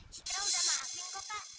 citra sudah maafin kok kak